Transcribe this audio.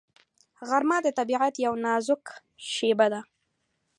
غرمه د طبیعت یو نازک شېبه ده